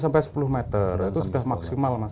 sampai sepuluh meter itu sudah maksimal mas